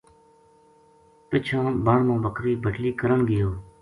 پِچھاں بن ما بکری بَٹلی کرن گیو